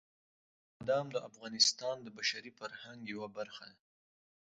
بادام د افغانستان د بشري فرهنګ یوه برخه ده.